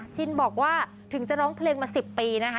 ชินบอกว่าถึงจะร้องเพลงมา๑๐ปีนะคะ